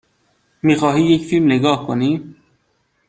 می خواهی یک فیلم نگاه کنی؟